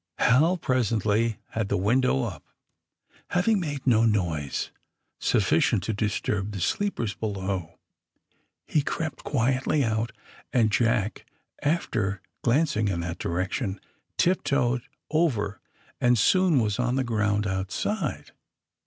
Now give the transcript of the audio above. '* Hal presently had the window up, having made no noise sufficient to disturb the sleepers below. He crept quietly out, and Jack, after glancing in that direction, tip toed over and was soon on the ground outside.